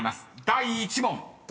第１問］